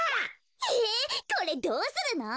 へえこれどうするの？